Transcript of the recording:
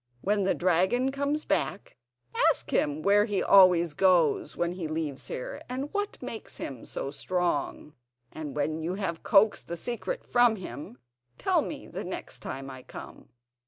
"When the dragon comes back, ask him where he always goes when he leaves here, and what makes him so strong; and when you have coaxed the secret from him, tell me the next time I come."